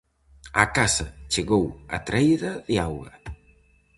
Á casa chegou a traída de auga.